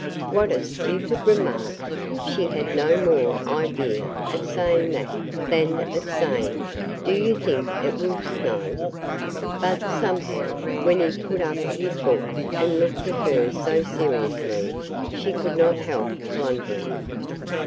What a stupid remark! She had no more idea of saying that than of saying: "Do you think it will snow?" But, somehow, when he put up his book and looked at her so seriously, she could not help blundering.